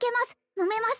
飲めます